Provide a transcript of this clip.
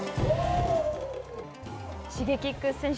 Ｓｈｉｇｅｋｉｘ選手